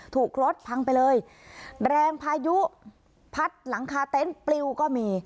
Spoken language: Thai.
ถูกรถพังไปเลยแรงพายุพัดหลังคาเต็นต์ปลิวก็มี